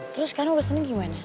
terus kan urusan gimana